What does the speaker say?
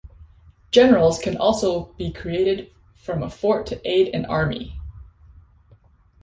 Generals can also be created from a fort to aid an army.